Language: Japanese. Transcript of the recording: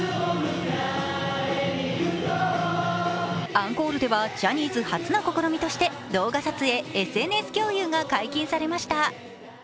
アンコールではジャニーズ初の試みとして動画撮影、ＳＮＳ共有が解禁されました。